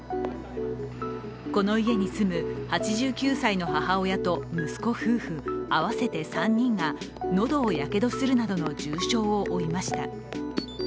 この家に住む８９歳の母親と息子夫婦合わせて３人が喉をやけどするなどの重傷を負いました。